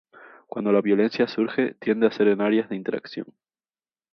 Cuando la violencia surge, tiende a ser en áreas de interacción.